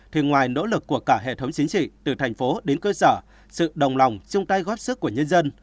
thì ngoài nỗ lực của cả hệ thống chính trị từ thành phố đến cơ sở sự đồng lòng chung tay góp sức của nhân dân